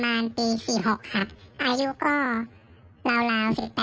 บางคนก็ตั้งใจมาจากหอจากบ้านตัวเองเพื่อมาหาอย่างนี้ครับ